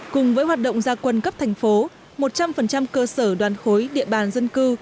cùng với hoạt động gia quân cấp thành phố một trăm linh cơ sở đoàn khối địa bàn dân cư